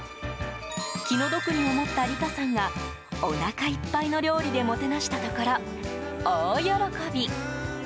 気の毒に思った理佳さんがおなかいっぱいの料理でもてなしたところ大喜び！